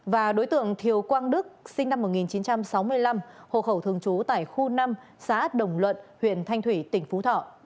và đối tượng thiều quang đức sinh năm một nghìn chín trăm sáu mươi năm hộ khẩu thường trú tại khu năm xã đồng luận huyện thanh thủy tỉnh phú thọ